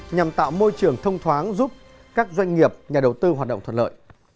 nhằm tạo môi trường thông thoáng giúp các doanh nghiệp nhà đầu tư hoạt động thuận lợi